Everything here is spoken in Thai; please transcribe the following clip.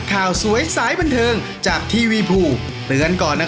แป้ข้าวเข่ากินไม่ดีหรือเปล่า